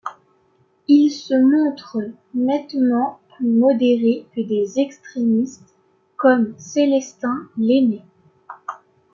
Il se montre nettement plus modéré que des extrémistes comme Célestin Lainé.